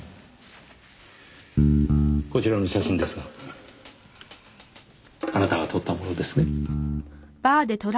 こちらの写真ですがあなたが撮ったものですね？